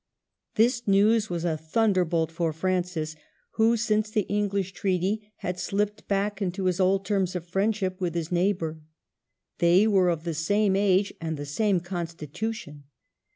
This news was a thunderbolt for Francis, who since the English treaty had slipped back into his old terms of friendship with his neigh bor. They were of the same age and the same constitution.